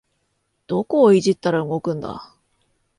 どこをいじったら動くんだ